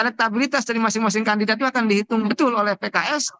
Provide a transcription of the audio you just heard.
jadi elektabilitas dari masing masing kantornya akan dihitung betul oleh pks